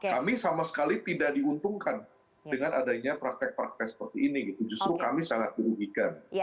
kami sama sekali tidak diuntungkan dengan adanya praktek praktek seperti ini gitu justru kami sangat dirugikan